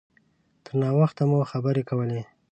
تر ناوخته مو خبرې کولې.